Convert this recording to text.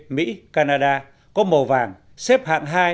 mỹ canada có màu vàng xếp hạng hai